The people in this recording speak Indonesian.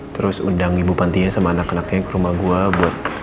terus undang ibu pantinya sama anak anaknya ke rumah gue buat